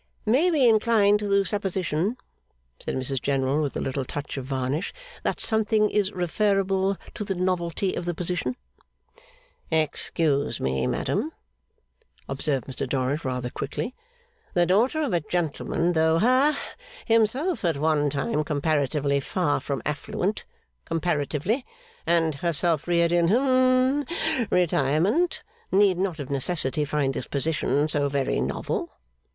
'May we incline to the supposition,' said Mrs General, with a little touch of varnish, 'that something is referable to the novelty of the position?' 'Excuse me, madam,' observed Mr Dorrit, rather quickly. 'The daughter of a gentleman, though ha himself at one time comparatively far from affluent comparatively and herself reared in hum retirement, need not of necessity find this position so very novel.